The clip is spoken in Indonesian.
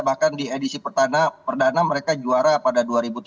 bahkan di edisi perdana mereka juara pada dua ribu tujuh belas